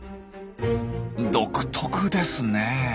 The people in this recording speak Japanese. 独特ですねえ。